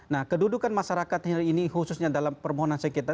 nah kedudukan masyarakat hari ini khususnya dalam permohonan sekitar